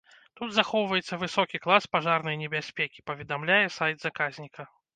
Тут захоўваецца высокі клас пажарнай небяспекі, паведамляе сайт заказніка.